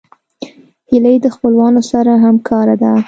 هیلۍ د خپلوانو سره همکاره ده